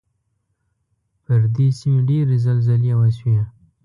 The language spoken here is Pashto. پر دې سیمې ډېرې زلزلې وشوې.